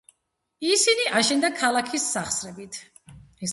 ისინი აშენდა ქალაქის სახსრებით.